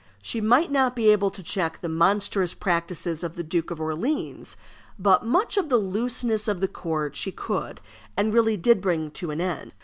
She might not be able to check the monstrous practices of the Duke of Orleans; but much of the looseness of the court she could, and really did bring to an end.